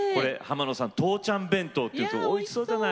「父ちゃん弁当」おいしそうじゃない。